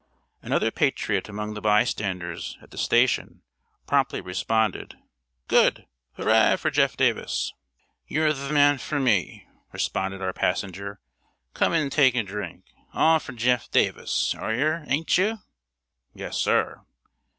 Another patriot among the bystanders at the station promptly responded: "Good. Hurra for Jeff. Davis!" "Yre th'man fr me," responded our passenger; "Come 'n' takeadrink. All fr Jeff. Davis here, ain't you?" "Yes, sir."